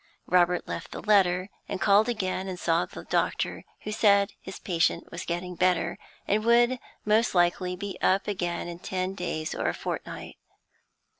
Robert left the letter, and called again and saw the doctor, who said his patient was getting better, and would most likely be up again in ten days or a fortnight.